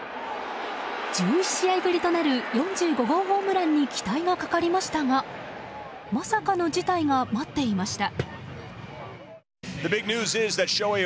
１１試合ぶりとなる４５号ホームランに期待がかかりましたがまさかの事態が待っていました。